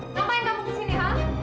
ngapain kamu kesini